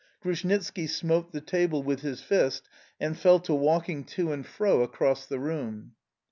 Grushnitski smote the table with his fist and fell to walking to and fro across the room.